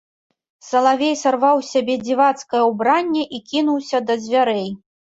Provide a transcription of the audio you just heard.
Салавей сарваў з сябе дзівацкае ўбранне і кінуўся да дзвярэй.